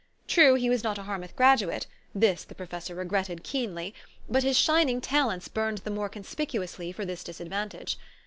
True he was not a Harmouth graduate, this the professor regretted keenly ; but his shining talents burned the more con spicuously for this disadvantage.